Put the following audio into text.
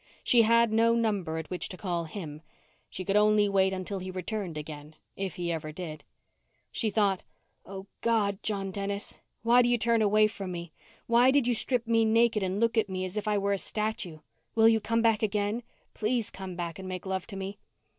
She had no number at which to call him. She could only wait until he returned again, if he ever did. She thought: _Oh, God, John Dennis. Why do you turn away from me? Why did you strip me naked and look at me as though I were a statue? Will you come back again? Please come back and make love to me.